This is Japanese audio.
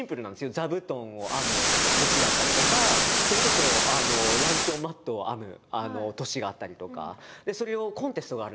座布団を編む年だったりとかそれこそランチョンマットを編む年があったりとかそれをコンテストがあるんですね。